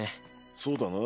そうだな。